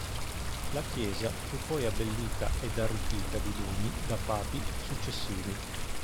La chiesa fu poi abbellita ed arricchita di doni da papi successivi.